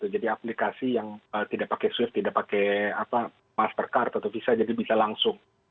jadi aplikasi yang tidak pakai swift tidak pakai mastercard atau visa jadi bisa langsung